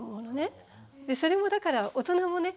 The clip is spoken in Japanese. それをだから大人もね